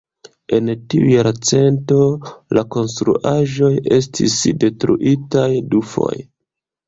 En tiu jarcento la konstruaĵoj estis detruitaj dufoje.